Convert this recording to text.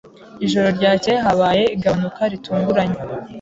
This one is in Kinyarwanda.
Ijoro ryakeye habaye igabanuka ritunguranye.